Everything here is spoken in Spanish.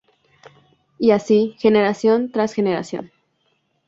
Y así, generación tras generación.